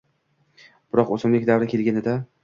Biroq o‘smirlik davri kelganida